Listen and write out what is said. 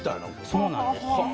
そうなんです。